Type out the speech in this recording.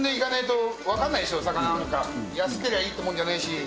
安けりゃいいってもんじゃないし。